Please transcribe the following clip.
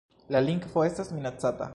La lingvo estas minacata.